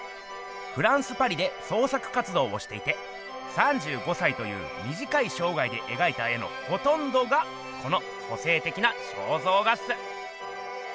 フランスパリで創作活動をしていて３５歳というみじかいしょうがいでえがいた絵のほとんどがこの個性的な肖像画っす。